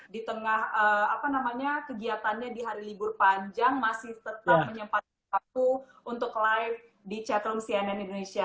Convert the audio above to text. di tengah kegiatannya di hari libur panjang masih tetap menyempatkan aku untuk live di chatroom cnn indonesia